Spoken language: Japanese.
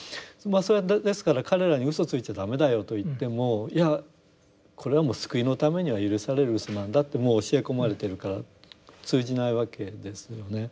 それはですから彼らに嘘ついちゃ駄目だよと言ってもいやこれはもう救いのためには許される嘘なんだってもう教え込まれてるから通じないわけですよね。